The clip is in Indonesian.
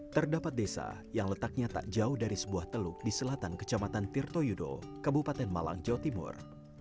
terdapat desa yang letaknya tak jauh dari sebuah teluk di selatan kecamatan tirto yudo kabupaten malang jawa timur